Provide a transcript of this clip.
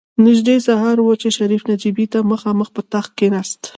نژدې سهار و چې شريف نجيبې ته مخامخ په تخت کېناست.